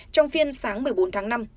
trong phiên sáng một mươi bốn tháng năm